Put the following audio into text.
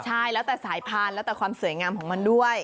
ใช่แล้วแต่สายพันธุ์แล้วแต่ความสวยงามของมันด้วย